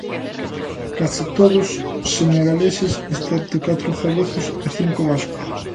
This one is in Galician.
Case todos senegaleses, excepto catro galegos e cinco vascos.